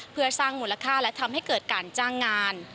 เพื่อสร้างมูลค่าและทำให้เกิดการจ้างงาน